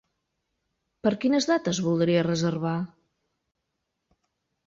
Per quines dates voldria reservar?